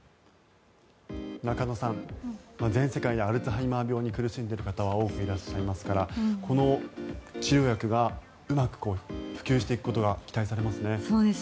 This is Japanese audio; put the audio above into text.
中野さん、全世界でアルツハイマー病に苦しんでいる方は多くいらっしゃいますからこの治療薬がうまく普及していくことが期待されますね。